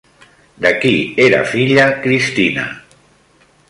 De qui era filla Cristina?